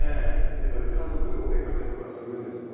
やっぱり家族でお出かけとかするんですか？